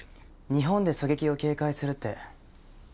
日本で狙撃を警戒するって特殊だよね。